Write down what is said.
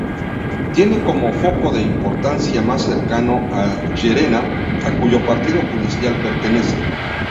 Tiene como foco de importancia más cercano a Llerena, a cuyo Partido judicial pertenece.